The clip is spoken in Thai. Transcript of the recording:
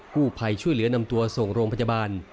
ผู้ภัยช่วยเหลือนำตัวส่งโรงพยาบาล